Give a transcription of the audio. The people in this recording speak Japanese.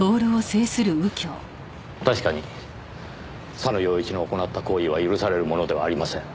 確かに佐野陽一の行った行為は許されるものではありません。